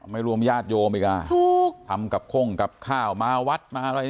ไม่รวมญาติโยมอีกอ่ะถูกทำกับข้องกับอาวาส